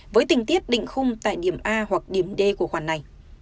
với tình tiết định khung tại điểm a hoặc điểm d của khoản này